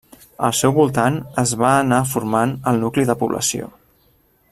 Al seu voltant es va anar format el nucli de població.